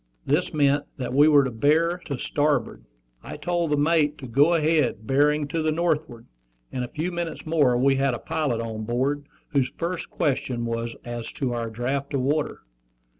This meant that we were to bear to starboard. I told the mate to go ahead, bearing to the northward. In a few minutes more we had a pilot on board, whose first question was as to our draft of water.